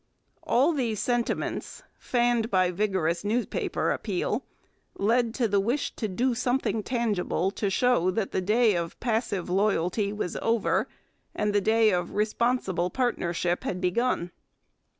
All these sentiments, fanned by vigorous newspaper appeal, led to the wish to do something tangible to show that the day of passive loyalty was over and the day of responsible partnership had begun.